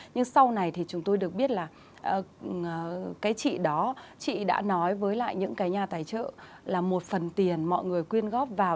nhưng sau này thì chúng tôi được biết là cái chị đó chị đã nói với lại những cái nhà tài trợ là một phần tiền mọi người quyên góp vào